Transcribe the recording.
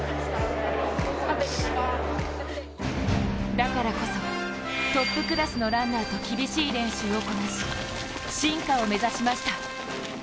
だからこそ、トップクラスのランナーと厳しい練習をこなし進化を目指しました。